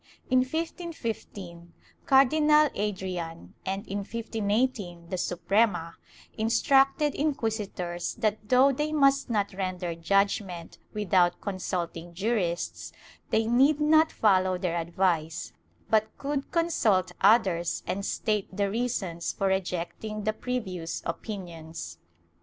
In 1515, Cardinal Adrian, and in 1518 the Suprema, instructed inquisitors that though they must not render judgement without consulting jurists, they need not follow their advice, but could consult others and state the reasons for rejecting the previous opinions.